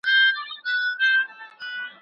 حضرت عمر بن خطاب په خپله نامې وياړ کاوه.